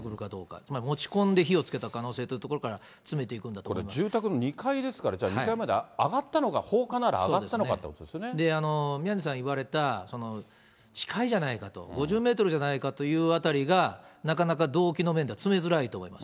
つまり持ち込んで火をつけた可能性というところから詰めていくんこれ、住宅の２階ですから、じゃあ２階まで上がったのか、放火なら上がったのかということで宮根さん言われた、近いじゃないかと、５０メートルじゃないかというあたりが、なかなか動機の面では詰めづらいと思います。